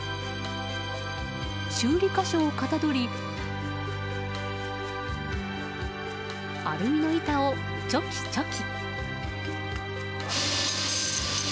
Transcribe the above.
修理箇所を型取りアルミの板をチョキチョキ。